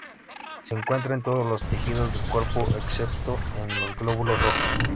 Se encuentra en todos los tejidos del cuerpo, excepto en los glóbulos rojos.